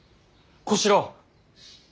小四郎。